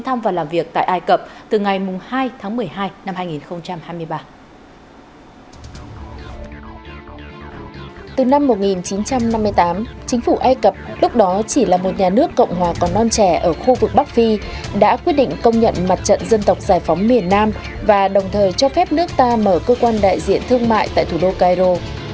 từ năm một nghìn chín trăm năm mươi tám chính phủ ai cập lúc đó chỉ là một nhà nước cộng hòa còn non trẻ ở khu vực bắc phi đã quyết định công nhận mặt trận dân tộc giải phóng miền nam và đồng thời cho phép nước ta mở cơ quan đại diện thương mại tại thủ đô cairo